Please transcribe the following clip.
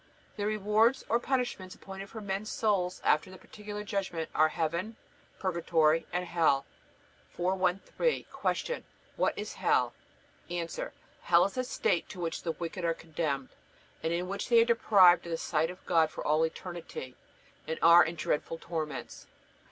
The rewards or punishments appointed for men's souls after the Particular Judgment are Heaven, Purgatory, and Hell. 413. Q. What is Hell? A. Hell is a state to which the wicked are condemned, and in which they are deprived of the sight of God for all eternity, and are in dreadful torments.